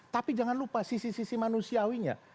tapi jangan lupa sisi sisi manusiawinya